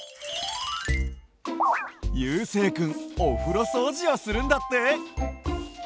ゆうせいくんおふろそうじをするんだって。